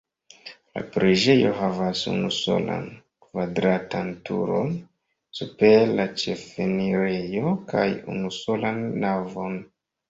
La preĝejo havas unusolan kvadratan turon super la ĉefenirejo kaj unusolan navon.